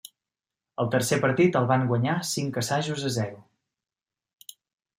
El tercer partit el van guanyar cinc assajos a zero.